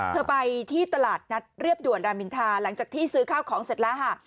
เธอไปที่ตลาดนัดเรียบด่วนรามินทาหลังจากที่ซื้อข้าวของเสร็จแล้วค่ะ